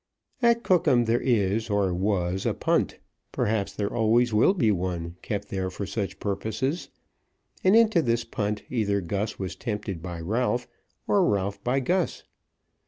At Cookham there is, or was, a punt, perhaps there always will be one, kept there for such purposes; and into this punt either Gus was tempted by Ralph, or Ralph by Gus.